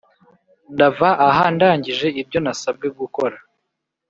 Ndava aha ndangije ibyo nasabwe gukora